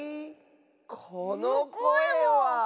このこえは！